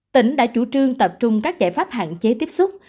tỉnh đã chủ trương tập trung các giải pháp hạn chế tiếp xúc